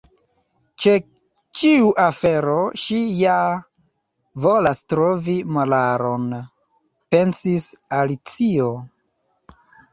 "Ĉe ĉiu afero ŝi ja volas trovi moralon," pensis Alicio.